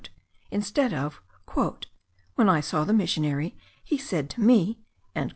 instead of, "when I saw the missionary, he said to me."